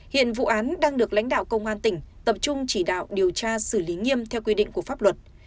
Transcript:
hiện vụ án đang được lãnh đạo công an tỉnh tập trung chỉ đạo điều tra xử lý nghiêm theo quy định của pháp luật